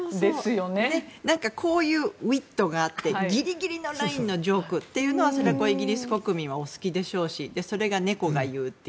なんかこういうウィットがあってギリギリのラインのジョークというのはイギリス国民はお好きでしょうしそれが猫が言うという。